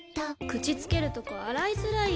口つけるとこ洗いづらい！